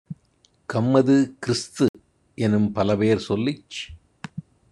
கம்மது, கிறிஸ்து-எனும் பலபேர் சொல்லிச்